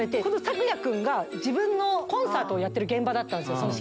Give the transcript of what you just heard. この咲也君が自分のコンサートをやってる現場だったんですよ